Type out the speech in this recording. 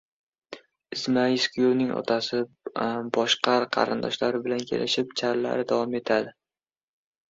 Izma-iz kuyovning otasi, boshqar qarindoshlari bilan kelishib «charlari» davom etadi.